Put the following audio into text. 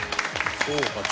そうか。